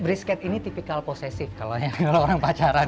brisket ini tipikal posesif kalau orang pacaran